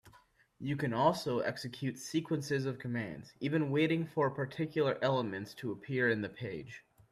You can also execute sequences of commands, even waiting for particular elements to appear in the page.